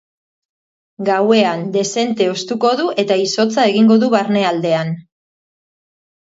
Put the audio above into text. Gauean dezente hoztuko du eta izotza egingo du barnealdean.